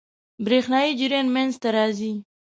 برېښنايي جریان منځ ته راځي.